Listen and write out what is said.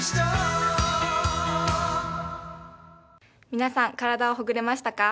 皆さん、体はほぐれましたか？